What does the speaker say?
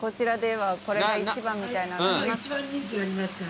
今一番人気ありますから。